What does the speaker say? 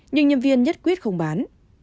nhưng nhân viên nhất quyết không bán